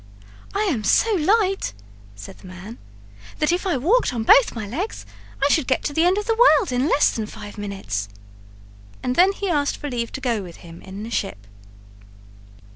"I am so light," said the man, "that if I walked on both my legs I should get to the end of the world in less than five minutes." And then he asked for leave to go with him in the ship.